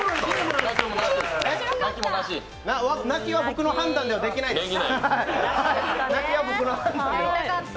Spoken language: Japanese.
泣きは僕の判断ではできないです。